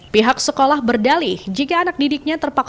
pihak sekolah berdali jika anak didiknya terpaksa